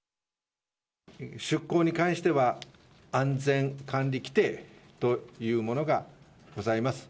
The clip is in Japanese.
出航に関しては、安全管理規定というものがございます。